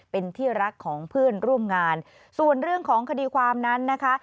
เป็นที่รักของเพื่อนร่วมงานส่วนเรื่องของคดีความนั้นนะคะ